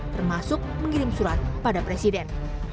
termasuk mengirim surat pada presiden